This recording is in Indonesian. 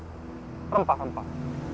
komoditas paling seksi rempah rempah